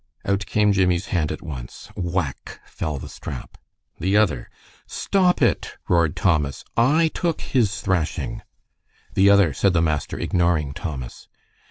Out came Jimmie's hand at once. Whack! fell the strap. "The other!" "Stop it!" roared Thomas. "I took his thrashing." "The other!" said the master, ignoring Thomas.